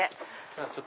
あっ！